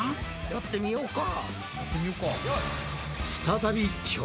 やってみようか。